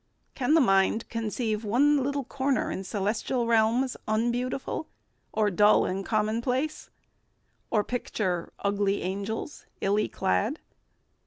Can the mind conceive One little corner in celestial realms Unbeautiful, or dull or commonplace? Or picture ugly angels, illy clad?